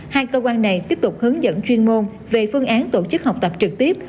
hai cơ quan này tiếp tục hướng dẫn chuyên môn về phương án tổ chức học tập trực tiếp